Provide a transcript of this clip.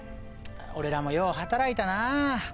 俺らもよう働いたなあ。